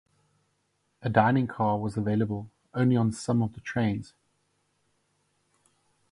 A dining car was available only on some of the trains.